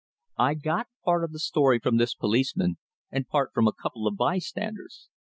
I got part of the story from this policeman, and part from a couple of bystanders.